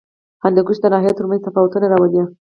هندوکش د ناحیو ترمنځ تفاوتونه راولي.